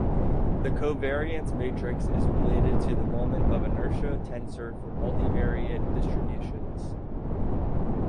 The covariance matrix is related to the moment of inertia tensor for multivariate distributions.